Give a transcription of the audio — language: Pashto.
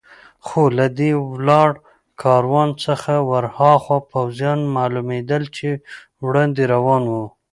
خو له دې ولاړ کاروان څخه ور هاخوا پوځیان معلومېدل چې وړاندې روان و.